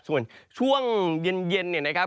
ส่วนช่วงเย็นนะครับ